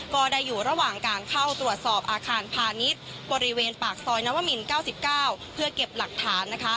ก็ได้อยู่ระหว่างการเข้าตรวจสอบอาคารพาณิชย์บริเวณปากซอยนวมิน๙๙เพื่อเก็บหลักฐานนะคะ